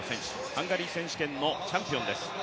ハンガリー選手権のチャンピオンです。